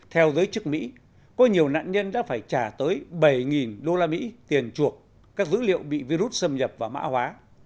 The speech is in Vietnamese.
theo giới chức mỹ có nhiều nạn nhân đã phải trả tới bảy đô la mỹ tiền chuộc các dữ liệu bị virus xâm nhập và mã hóa